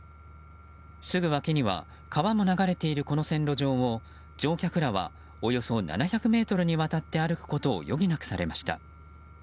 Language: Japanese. すぐ脇には川も流れているこの線路上を乗客らはおよそ７００ｍにわたって歩くことを余儀なくされました。